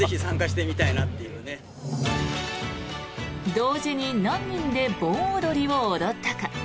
同時に何人で盆踊りを踊ったか。